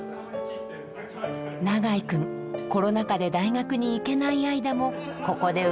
永井君コロナ禍で大学に行けない間もここで腕を磨いたとか。